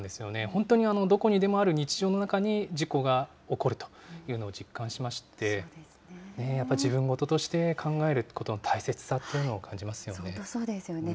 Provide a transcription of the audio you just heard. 本当に、どこにでもある日常の中に事故が起こるというのを実感しまして、やっぱり自分事として考えることの大切さというのを感じますよね。